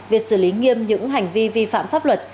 việc xử lý nghiêm những hành vi vi phạm pháp luật